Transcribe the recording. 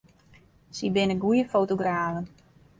Sy binne goede fotografen.